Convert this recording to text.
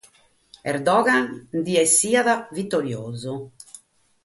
Erdogan nd’esseit vitoriosu.